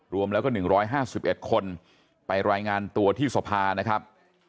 รวมแล้วก็๑๕๑คนไปรายงานตัวที่สภานะครับ